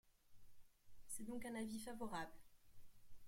C’est donc un avis favorable.